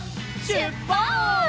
しゅっぱつ！